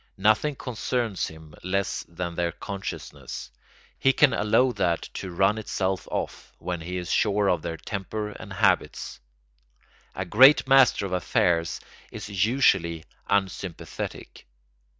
Nothing concerns him less than their consciousness; he can allow that to run itself off when he is sure of their temper and habits. A great master of affairs is usually unsympathetic.